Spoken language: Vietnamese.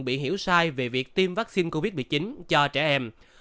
bị hiểu sai về việc tiêm vaccine covid một mươi chín cho trẻ em